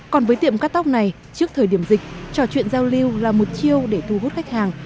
còn với tiệm cắt tóc này trước thời điểm dịch trò chuyện giao lưu là một chiêu để thu hút khách hàng